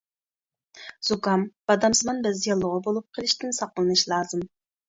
زۇكام، بادامسىمان بەز ياللۇغى بولۇپ قېلىشتىن ساقلىنىش لازىم.